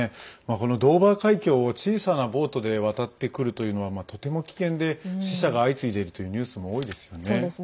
このドーバー海峡を小さなボートで渡ってくるというのはとても危険で死者が相次いでいるというニュースも多いですよね。